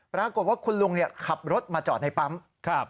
ปรากฏว่าคุณลุงขับรถมาจอดในปั๊ม